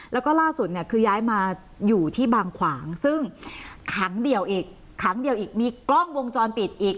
แล้วก็ล่าสุดคือย้ายมาอยู่ที่บางขวางซึ่งขังเดียวอีกมีกล้องวงจรปิดอีก